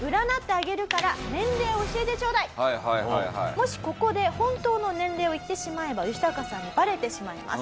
もしここで本当の年齢を言ってしまえばヨシタカさんにバレてしまいます。